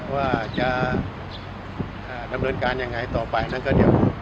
ว่าจะดำเนินการต่อไปอย่างไรได้